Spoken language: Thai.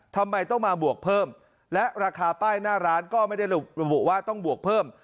ทำไมต้องมาบวกเพิ่มและราคาป้ายหน้าร้านก็ไม่ได้ระบุว่าต้องบวกเพิ่ม